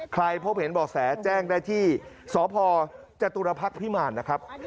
พบเห็นบ่อแสแจ้งได้ที่สพจตุรพักษ์พิมารนะครับ